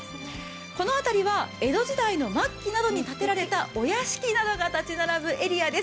この辺りは江戸時代の末期などに建てられたお屋敷が並ぶ地域です。